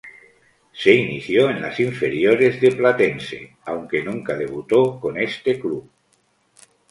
Se inició en las inferiores de Platense aunque nunca debutó con este club.